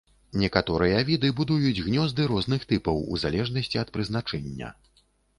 Некаторыя віды будуюць гнёзды розных тыпаў у залежнасці ад прызначэння.